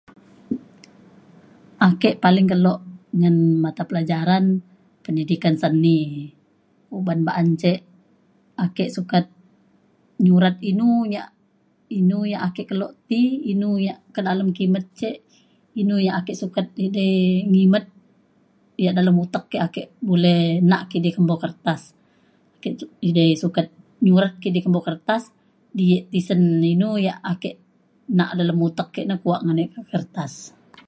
ake paling kelo ngan matapelajaran Pendidikan Seni uban ba’an ce ake sukat nyurat inu yak inu yak ake kelo ti inu yak ka dalem kimet ce inu yak ake sukat edei ngimet yak dalem utek ke ake boleh nakidi kembo kertas. ake cuk sukat nyurat kidi kembo kertas di tisen inu yak ake nak dalem utek ke na kuak ngan e- kertas.